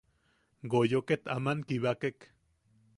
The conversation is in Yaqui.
Goyo ket aman kibakek.